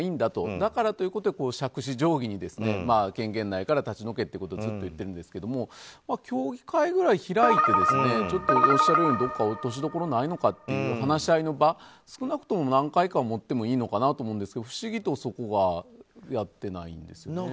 だから杓子定規に、権限ないから立ち退けっていうことをずっと言っているんですけれども協議会くらい開いておっしゃるように、どこか落としどころないのかという話し合いの場、少なくとも何回か持ってもいいのかなと思うんですけど不思議と、そこがやっていないんですよね。